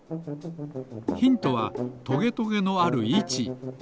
ヒントはトゲトゲのあるいち。